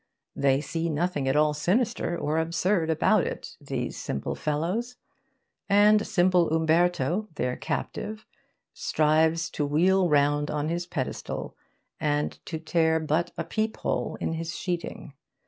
They see nothing at all sinister or absurd about it, these simple fellows. And simple Umberto, their captive, strives to wheel round on his pedestal and to tear but a peep hole in his sheeting.